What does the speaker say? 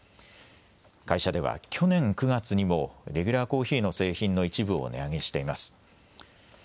会社では去年９月にもレギュラーコーヒーの製品の一部を値上げしています。